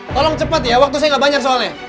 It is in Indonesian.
tolong cepat ya waktu saya gak banyak soalnya